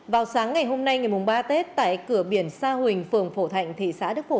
vào sáng ngày hôm nay ngày ba tết tại cửa biển sa huỳnh phường phổ thạnh thị xã đức phổ